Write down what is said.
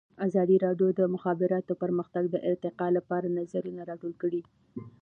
ازادي راډیو د د مخابراتو پرمختګ د ارتقا لپاره نظرونه راټول کړي.